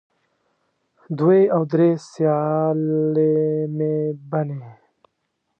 دوې او درې سیالې مې بنې